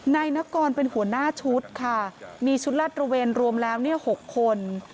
นายนกรเป็นหัวหน้าชุดค่ะมีชุดลาดระเวนรวมแล้ว๖คน